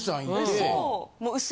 そう。